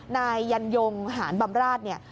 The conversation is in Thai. นายยันยงหานบำราชเนี่ย